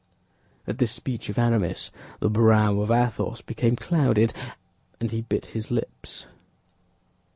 At this speech of Aramis, the brow of Athos became clouded and he bit his lips.